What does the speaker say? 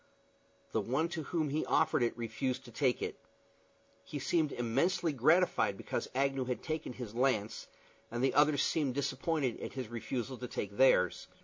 The one to whom he offered it refused to take it. He seemed immensely gratified because Agnew had taken his lance, and the others seemed disappointed at his refusal to take theirs.